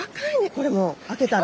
これもう開けたら。